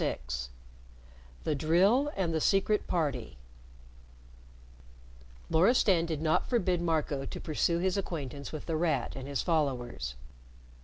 VI THE DRILL AND THE SECRET PARTY Loristan did not forbid Marco to pursue his acquaintance with The Rat and his followers.